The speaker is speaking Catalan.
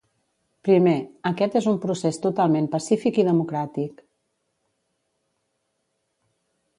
Primer: Aquest és un procés totalment pacífic i democràtic.